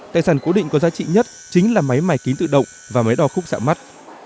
tài sản cố định có giá trị nhất chính là máy máy kính tự động và máy đo khúc sạm mắt